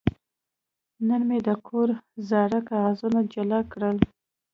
نن مې د کور زاړه کاغذونه جلا کړل.